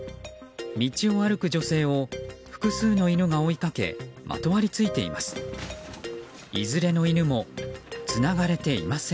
道を歩く女性を複数の犬が追いかけまとわりついています。